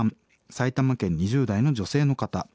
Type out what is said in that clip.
埼玉県２０代の女性の方。